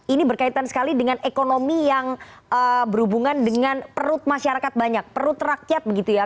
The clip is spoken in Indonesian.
ini berkaitan sekali dengan ekonomi yang berhubungan dengan perut masyarakat banyak perut rakyat begitu ya